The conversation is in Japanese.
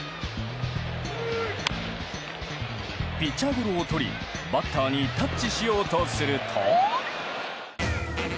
ピッチャーゴロをとりランナーにタッチしようとすると。